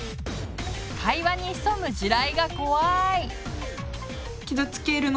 会話に潜む地雷が怖い！